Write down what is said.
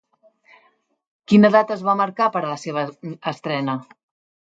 Quina data es va marcar per a la seva estrena?